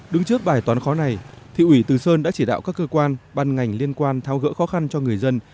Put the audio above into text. đứng trước bài toán khó này thị ủy từ sơn đã chỉ đạo các cơ quan ban ngành liên quan tháo gỡ khó khăn cho người dân